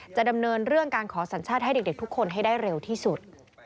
จะดำเนินเรื่องการขอสัญชาติให้เด็กทุกคนให้ได้เร็วที่สุด